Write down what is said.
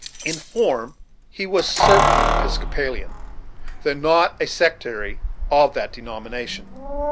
In form, he was certainly an Episcopalian, though not a sectary of that denomination.